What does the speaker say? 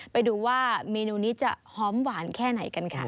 ไปดูว่าเมนูนี้จะหอมหวานแค่ไหนกันค่ะ